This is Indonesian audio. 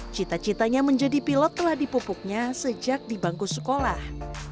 cita citanya menjadi pilot telah dipupuknya sejak di bangku sekolah